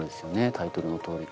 タイトルの通り。